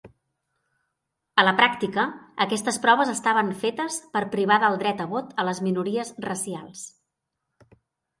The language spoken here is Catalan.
A la pràctica, aquestes proves estaven fetes per privar del dret a vot a les minories racials.